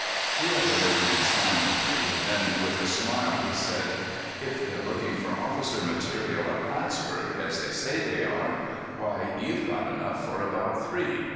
The other agreed silently; then, with a smile, he said: "If they're looking for officer material at Plattsburg, as they say they are, why, you've got enough for about three.